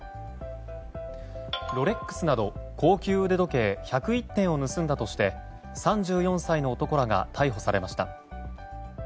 ロレックスなど高級腕時計１０１点を盗んだとして３４歳の男らが逮捕されました。